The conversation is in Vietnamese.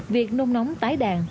việc nôn nóng tái đàn